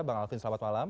bang alvin selamat malam